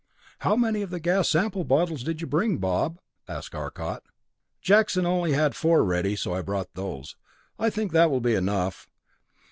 "How many of the gas sample bottles did you bring, Bob?" asked Arcot. "Jackson had only four ready, so I brought those. I think that will be enough.